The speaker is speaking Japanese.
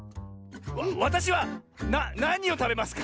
わたしはなにをたべますか？